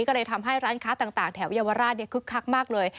ก็เลยทำให้ร้านค้าต่างแถวเยาวราชคึกคักมากเลย